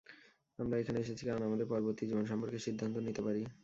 আমরা এখানে এসেছি কারন আমাদের পরবর্তী জীবন সম্পর্কে সিদ্ধান্ত নিতে পারি।